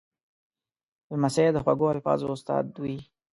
لمسی د خوږو الفاظو استاد وي.